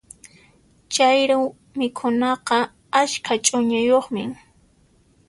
Chayru mikhunaqa askha ch'uñuyuqmi.